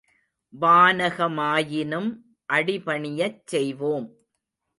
வானக மாயினும் அடிபணியச் செய்வோம்.